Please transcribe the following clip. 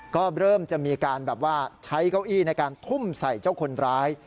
ก็เริ่มจะมีการแบบว่าใช้เก้าอี้ในการทุ่มใส่เจ้าคนร้าย